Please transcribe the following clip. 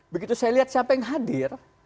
begitu saya lihat siapa yang hadir